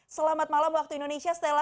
selamat malam waktu indonesia stella